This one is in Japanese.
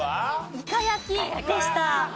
イカ焼きでした。